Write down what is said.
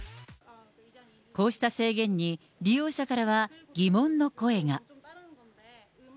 こうした制限に、利用者からは疑問の声が。